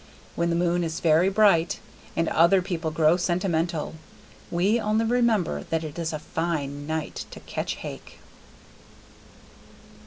When the moon is very bright and other people grow sentimental, we only remember that it is a fine night to catch hake.